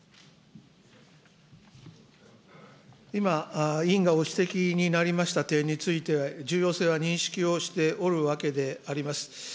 今、委員がご指摘になりました点について、重要性は認識をしておるわけであります。